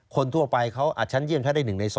คนทั่วไปเขาอาจฉันเยี่ยมแพ้ได้๑ใน๒